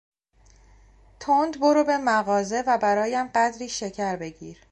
تند برو به مغازه و برایم قدری شکر بگیر.